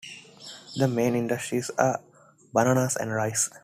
The main industries are bananas and rice.